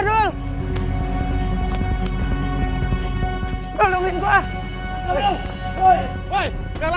dul tangguhin gua dul